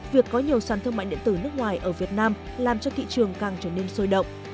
việc có nhiều sản thương mại điện tử nước ngoài ở việt nam làm cho thị trường càng trở nên sôi động